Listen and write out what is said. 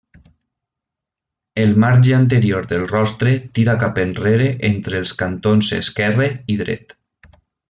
El marge anterior del rostre tira cap enrere entre els cantons esquerre i dret.